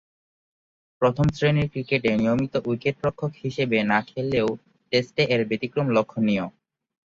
প্রথম-শ্রেণীর ক্রিকেটে নিয়মিত উইকেট-রক্ষক হিসেবে না খেললেও টেস্টে এর ব্যতিক্রম লক্ষ্যণীয়।